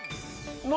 何？